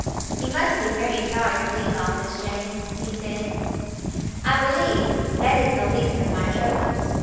"You must be very sorry to leave all this Jane," he said. "I believe that is the least of my troubles.